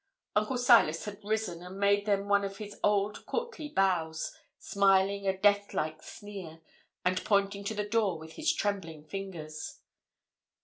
Uncle Silas had risen, and made them one of his old courtly bows, smiling a death like sneer, and pointing to the door with his trembling fingers.